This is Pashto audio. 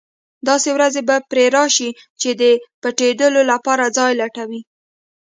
داسې ورځې به پرې راشي چې د پټېدلو لپاره ځای لټوي.